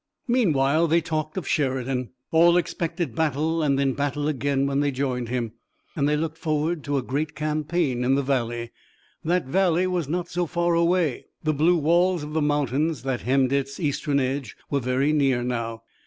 Meanwhile they talked of Sheridan. All expected battle and then battle again when they joined him, and they looked forward to a great campaign in the valley. That valley was not so far away. The blue walls of the mountains that hemmed its eastern edge were very near now.